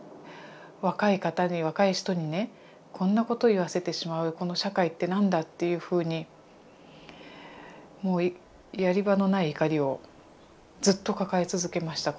若い方に若い人にねこんなことを言わせてしまうこの社会って何だ？っていうふうにもうやり場のない怒りをずっと抱え続けました。